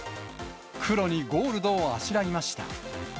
黒にゴールドをあしらいました。